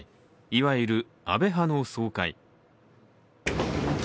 いわゆる安倍派の総会。